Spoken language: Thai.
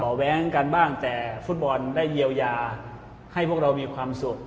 แว้งกันบ้างแต่ฟุตบอลได้เยียวยาให้พวกเรามีความสุข